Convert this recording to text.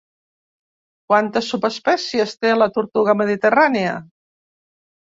Quantes subespècies té la tortuga mediterrània?